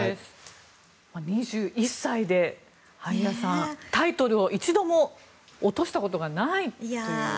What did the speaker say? ２１歳で萩谷さんタイトルを一度も落としたことがないという。